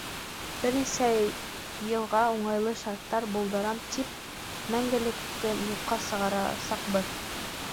Бер нисә йылға уңайлы шарттар булдырам тип, мәңгелекте юҡҡа сығарасаҡбыҙ.